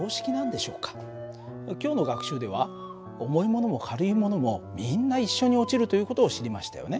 今日の学習では重いものも軽いものもみんな一緒に落ちるという事を知りましたよね。